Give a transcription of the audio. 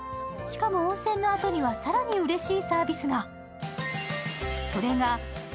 しかも温泉のあとには更にうれしいサービスが。